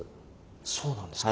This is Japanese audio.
そうなんですか。